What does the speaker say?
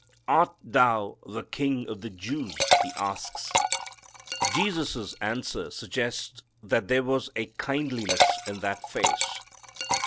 "Art Thou the King of the Jews?" he asks. Jesus' answer suggests that there was a kindliness in that face.